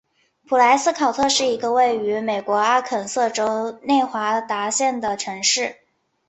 蒲莱斯考特是一个位于美国阿肯色州内华达县的城市。